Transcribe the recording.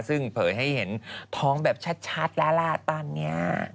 ซึ่งเผยให้เห็นท้องแบบชัดแล้วล่ะตอนนี้